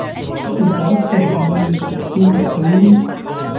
وَإِنْ تَرَكْتَهُمْ لَمْ يَتْرُكُوكَ قِيلَ